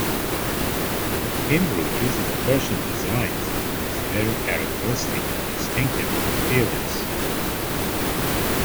Himroo uses Persian designs, and is very characteristic and distinctive in appearance.